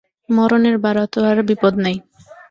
মরণের বাড়া তো আর বিপদ নাই।